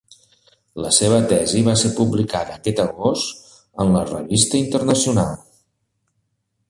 La seva tesi va ser publicada aquest agost en la Revista Internacional.